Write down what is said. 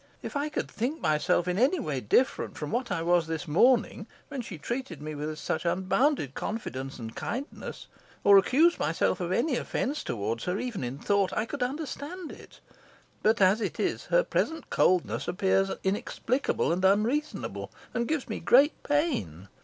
If I could think myself in any way different from what I was this morning, when she treated me with such unbounded confidence and kindness, or accuse myself of any offence towards her, even in thought, I could understand it; but as it is, her present coldness appears inexplicable and unreasonable, and gives me great pain.